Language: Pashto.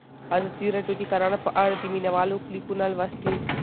ازادي راډیو د کرهنه په اړه د مینه والو لیکونه لوستي.